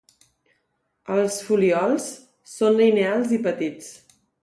Els folíols són lineals i petits.